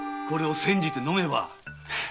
これを煎じて飲めば。